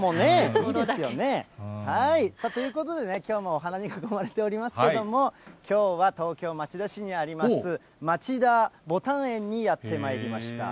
いいですよね。ということで、きょうもお花に囲まれておりますけれども、きょうは東京・町田市にあります、町田ぼたん園にやってまいりました。